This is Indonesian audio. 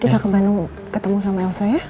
kita ke bandung ketemu sama elsa